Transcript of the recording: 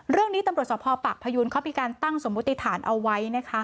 เรื่องนี้ตำรวจสภปากพยูนเขามีการตั้งสมมติฐานเอาไว้นะคะ